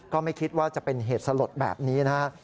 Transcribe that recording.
ก็ไม่คิดว่าจะเป็นเหตุสลดแบบนี้นะครับ